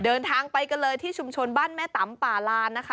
เดินทางไปกันเลยที่ชุมชนบ้านแม่ตำป่าลานนะคะ